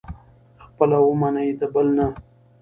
خپله ومني، د بل نه.